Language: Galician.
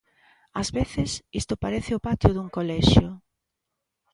Ás veces, isto parece o patio dun colexio.